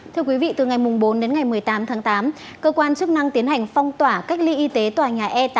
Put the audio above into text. thưa quý vị từ ngày bốn đến ngày một mươi tám tháng tám cơ quan chức năng tiến hành phong tỏa cách ly y tế tòa nhà e tám